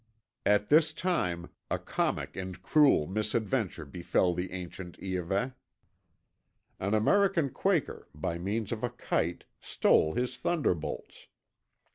"At this time a comic and cruel misadventure befel the ancient Iahveh. An American Quaker, by means of a kite, stole his thunderbolts.